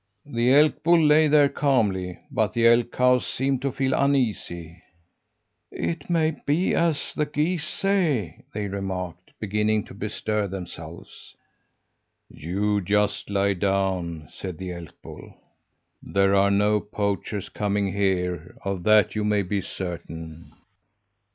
"The elk bull lay there calmly, but the elk cows seemed to feel uneasy. "'It may be as the geese say,' they remarked, beginning to bestir themselves. "'You just lie down!' said the elk bull. 'There are no poachers coming here; of that you may be certain.'